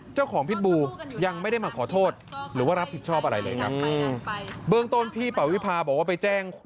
พิษบูยังไม่ได้มาขอโทษหรือว่ารับผิดชอบอะไรเลยครับเบื้องต้นพี่ปวิภาบอกว่าไปแจ้ง